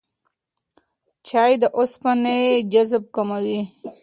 چای د اوسپنې جذب کموي.